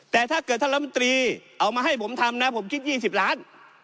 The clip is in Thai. แต่ถ้าเกิดท่านรัฐมนตรีเอามาให้ผมทำนะผมคิด๒๐ล้าน